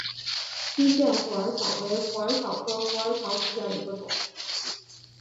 区限虎耳草为虎耳草科虎耳草属下的一个种。